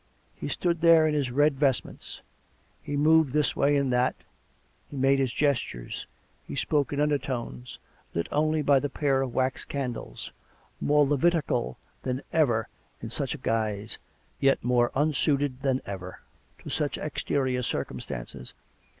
He stood there in his red vestments; he moved this way and that; he made his gestures; he spoke in undertones, lit only by the pair of wax candles, more Levitical than ever in such a guise, yet more unsuited than ever to such exterior circumstances.